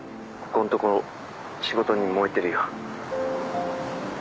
ここんところ仕事に燃えてるよ。